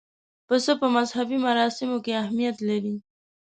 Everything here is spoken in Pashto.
پسه په مذهبي مراسمو کې اهمیت لري.